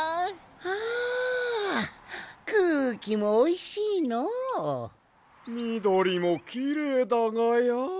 あくうきもおいしいのう。みどりもきれいだがや。